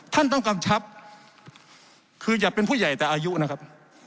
ท่านต้องกำชับคืออย่าเป็นผู้ใหญ่แต่อายุนะครับ